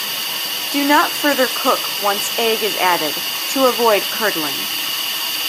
Do not further cook once egg is added, to avoid curdling.